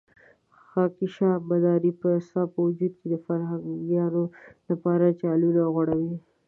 خاکيشاه مداري به ستا په وجود کې د فرهنګيانو لپاره جالونه غوړول.